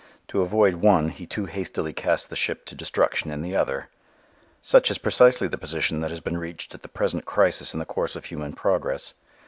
To avoid one he too hastily cast the ship to destruction in the other. Such is precisely the position that has been reached at the present crisis in the course of human progress.